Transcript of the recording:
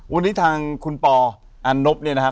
วันนี้ทางคุณปออันนบเนี่ยนะครับ